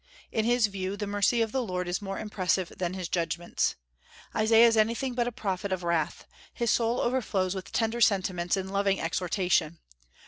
In his view the mercy of the Lord is more impressive than his judgments. Isaiah is anything but a prophet of wrath; his soul overflows with tender sentiments and loving exhortation.